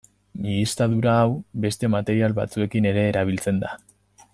Mihiztadura hau beste material batzuekin ere erabiltzen da.